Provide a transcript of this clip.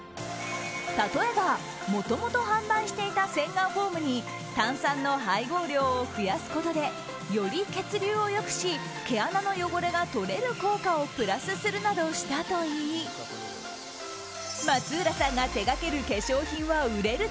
例えば、もともと販売していた洗顔フォームに炭酸の配合量を増やすことでより血流を良くし毛穴の汚れが取れる効果をプラスするなどしたといい松浦さんが手がける化粧品は売れる！